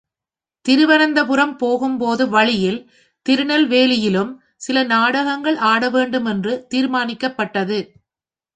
திருவனந்தபுரம் போகும் போது வழியில் திருநெல்வேலியிலும் சில நாடகங்கள் ஆடவேண்டுமென்று தீர்மானிக்கப்பட்டது.